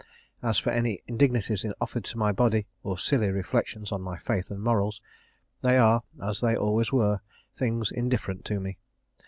As for any indignities offered to my body, or silly reflections on my faith and morals, they are, as they always were, things indifferent to me.